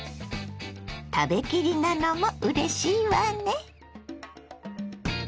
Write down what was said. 食べきりなのもうれしいわね。